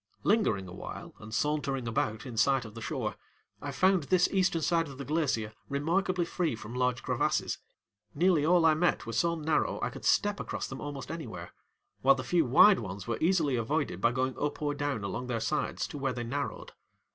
Lingering a while and sauntering about in sight of the shore, I found this eastern side of the glacier remarkably free from large crevasses. Nearly all I met were so narrow I could step across them almost anywhere, while the few wide ones were easily avoided by going up or down along their sides to where they narrowed.